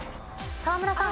沢村さん。